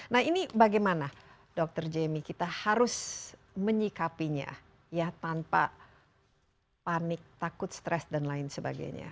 nah ini bagaimana dokter jamie kita harus menyikapinya ya tanpa panik takut stres dan lain sebagainya